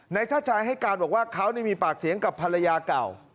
ชาติชายให้การบอกว่าเขามีปากเสียงกับภรรยาเก่า